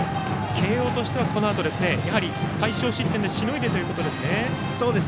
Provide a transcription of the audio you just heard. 慶応としてはこのあと最少失点でしのいでということですね。